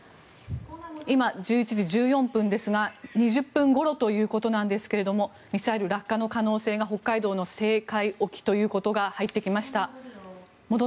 今、１１時１４分ですが２０分ごろということなんですがミサイル落下の可能性が北海道の西方沖ということが入ってきました。